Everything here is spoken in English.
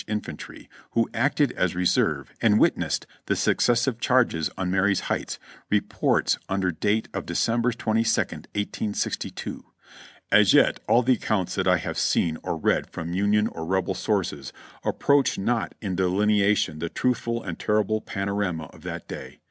Infantry, who acted as re serve and witnessed the successive charges on Marye's Heights, reports under date of December 22nd. 1862: "As yet all the accounts that I have seen or read from Union FREDERICKSBURG 321 or Rebel sources approach not in delineation the truthful and terrible panorama of that day.